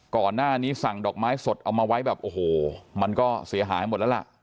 ก่อนหน้านี้สั่งดอกไม้สดเอามาไว้แบบโอ้โหมันก็เสียหายหมดแล้วล่ะ